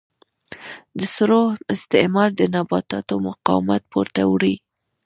د سرو استعمال د نباتاتو مقاومت پورته وړي.